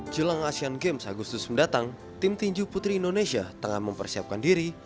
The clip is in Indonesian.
jelang asean games agustus mendatang tim tinju putri indonesia tengah mempersiapkan diri